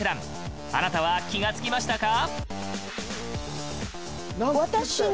あなたは気が付きましたか？